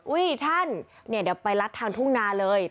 อุ๊ยท่านเดี๋ยวไปรัดทางธุ่งนาเลย